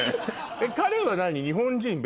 彼は日本人？